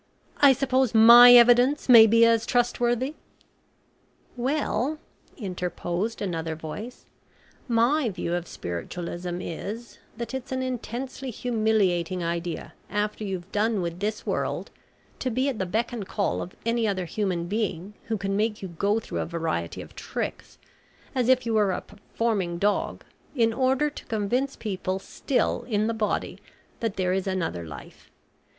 "I suppose my evidence may be as trustworthy." "Well," interposed another voice, "my view of spiritualism is, that it's an intensely humiliating idea after you've done with this world to be at the beck and call of any other human being who can make you go through a variety of tricks, as if you were a performing dog, in order to convince people still in the body that there is another life.